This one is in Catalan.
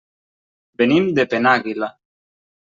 Venim de Penàguila.